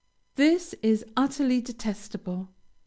This is utterly detestable.